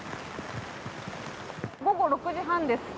午後６時半です。